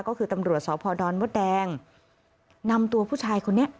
ก็คือตำรวจสพดมดแดงนำตัวผู้ชายคนนี้